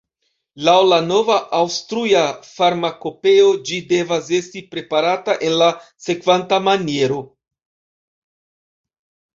Laŭ la nova Aŭstruja farmakopeo ĝi devas esti preparata en la sekvanta maniero